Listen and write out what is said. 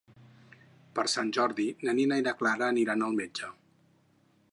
Per Sant Jordi na Nina i na Clara aniran al metge.